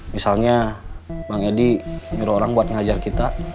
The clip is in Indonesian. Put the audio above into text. misalnya bang edi nyuruh orang buat ngajar kita